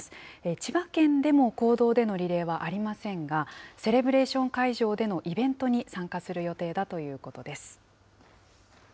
千葉県でも公道でのリレーはありませんが、セレブレーション会場でのイベントに参加する予定だということです。